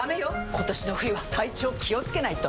今年の冬は体調気をつけないと！